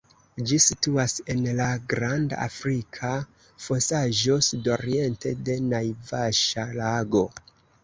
Ĝi situas en la Granda Afrika Fosaĵo, sudoriente de Naivaŝa-lago.